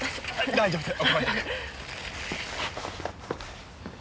大丈夫です。